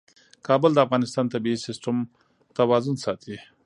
کابل د افغانستان د طبعي سیسټم توازن ساتي.